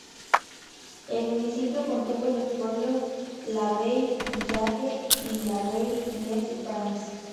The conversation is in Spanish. El municipio contuvo los pueblos Lavey-Village y Lavey-les-Bains.